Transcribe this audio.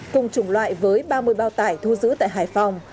cùng chủng loại với ba mươi bao tải thu giữ tại hải phòng